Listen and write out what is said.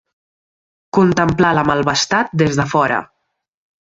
Contemplar la malvestat des de fora.